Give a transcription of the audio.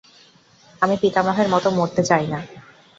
আমি পিতামহের মতো মরতে চাই না।